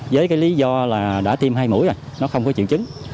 với cái lý do là đã tiêm hai mũi rồi nó không có triệu chứng